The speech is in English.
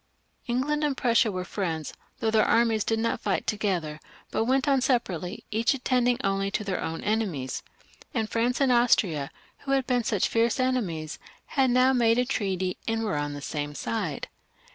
England and Prussia were friends, though their armies did not fight together, but went on separately, each attending only to their own enemies, and France and Austria, who had been such fierce enemies, had now made a treaty and were on the same side.